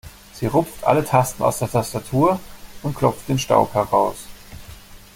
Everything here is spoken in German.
Sie rupft alle Tasten aus der Tastatur und klopft den Staub heraus.